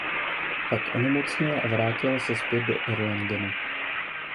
Pak onemocněla a vrátila se zpět do Erlangenu.